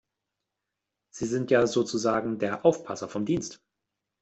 Sie sind ja sozusagen der Aufpasser vom Dienst.